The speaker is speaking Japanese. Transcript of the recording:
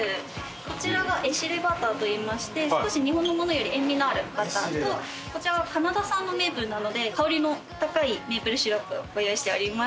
こちらがエシレバターといいまして少し日本のものより塩味のあるバターとこちらはカナダ産のメープルなので香りの高いメープルシロップをご用意しております。